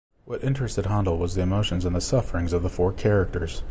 What interested Handel was the emotions and the sufferings of the four characters.